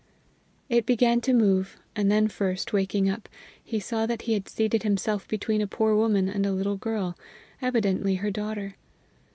It began to move; and then first, waking up, he saw that he had seated himself between a poor woman and a little girl, evidently her daughter.